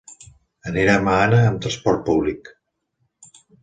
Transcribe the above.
Anirem a Anna amb transport públic.